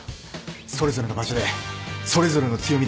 それぞれの場所でそれぞれの強みで。